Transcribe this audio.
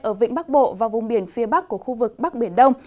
ở vĩnh bắc bộ và vùng biển phía bắc của khu vực bắc biển đông